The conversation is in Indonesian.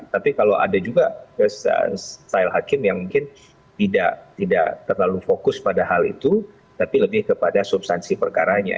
tapi kalau ada juga style hakim yang mungkin tidak terlalu fokus pada hal itu tapi lebih kepada substansi perkaranya